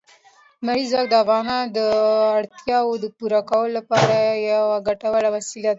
لمریز ځواک د افغانانو د اړتیاوو د پوره کولو لپاره یوه ګټوره وسیله ده.